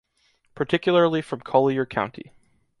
Particularly from Colliure county.